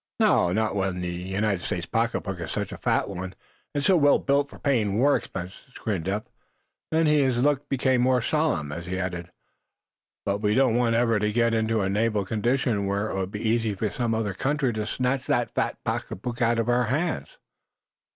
"Not while the United States pocket book is such a fat one, and so well built for paying war expenses," grinned Eph. Then his look became more solemn, as he added: "But we don't want ever to get into a naval condition where it will be easy for some other country to snatch that fat pocket book out of our hands."